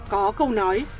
có câu nói